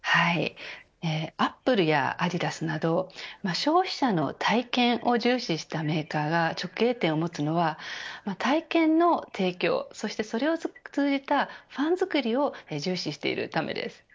アップルやアディダスなど消費者の体験を重視したメーカーが、直営店を持つのは体験の提供そしてそれを通じたファンづくりを重視しているためです。